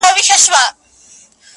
لکه د واړه گناهونو چي لامل زه یم,